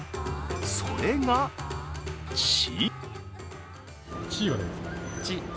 それが「ち」。